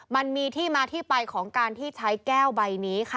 มันมีที่มาที่ไปของการที่ใช้แก้วใบนี้ค่ะ